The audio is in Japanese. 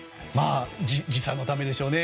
時差のためでしょうね。